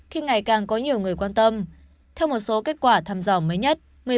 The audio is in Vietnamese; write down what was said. khi ngày càng có nhiều người quan tâm theo một số kết quả thăm dò mới nhất